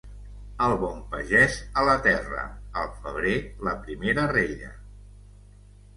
El bon pagès a la terra, al febrer la primera rella.